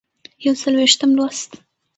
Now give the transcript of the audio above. یوڅلوېښتم لوست